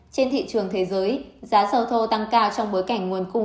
trên thị trường thế giới giá dầu thô tăng cao trong bối cảnh nguồn cung